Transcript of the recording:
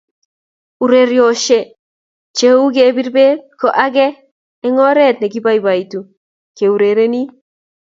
Urerioshe che uu kipir beek ko akenge eng oree ni kiboiboitu keurerenii.